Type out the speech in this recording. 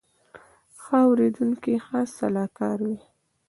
ښه اورېدونکی ښه سلاکار وي